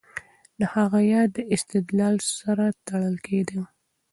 د هغه ياد د اعتدال سره تړل کېږي.